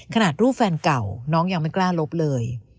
ขนาดรูปแฟนเก่าน้องยังไม่กล้าลบเลย